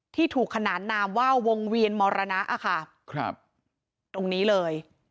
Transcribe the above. ที่ถูกขนานนามว่าวงเวียนมรณะค่ะครับตรงนี้เลย